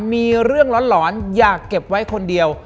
มีเรื่องหลอนอยากเก็บไว้คนเดียว